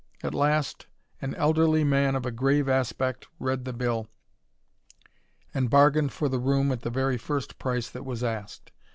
At last, an elderly man of a grave aspect read the bill, and bargained for the room at the very first price that was asked.